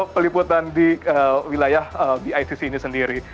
peliputan di wilayah bicc ini sendiri